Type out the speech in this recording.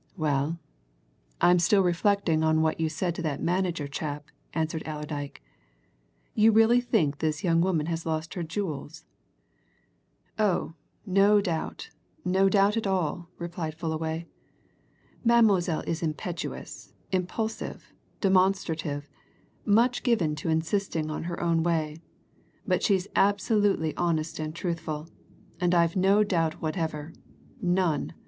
"Well, I'm still reflecting on what you said to that manager chap," answered Allerdyke. "You really think this young woman has lost her jewels?" "Oh, no doubt, no doubt at all," replied Fullaway. "Mademoiselle is impetuous, impulsive, demonstrative, much given to insisting on her own way, but she's absolutely honest and truthful, and I've no doubt whatever none!